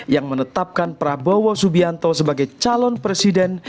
yang menetapkan prabowo subianto sebagai calon presiden